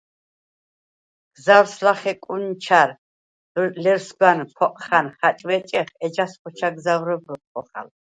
გზა̄̈ვრს ლახე კუნჩა̈რ ლერსგვან ფოყხა̈ნ ხა̈ჭვე̄ჭეხ, ეჩას ხოჩა გზა̄ვრობ როქვ ხოხალ.